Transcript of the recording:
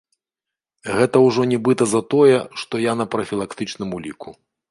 Гэта ўжо нібыта за тое, што я на прафілактычным уліку.